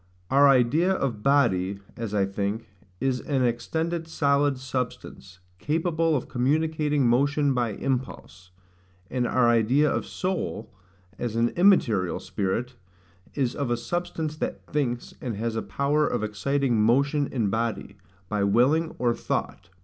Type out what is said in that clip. Our idea of BODY, as I think, is AN EXTENDED SOLID SUBSTANCE, CAPABLE OF COMMUNICATING MOTION BY IMPULSE: and our idea of SOUL, AS AN IMMATERIAL SPIRIT, is of A SUBSTANCE THAT THINKS, AND HAS A POWER OF EXCITING MOTION IN BODY, BY WILLING, OR THOUGHT.